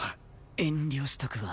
遠慮しとくわ。